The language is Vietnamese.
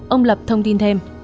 ông lập thông tin thêm